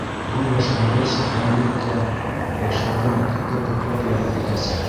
Был башланғыс, әлбиттә, йәштәрҙе мәктәпкә күпләп йәлеп итәсәк.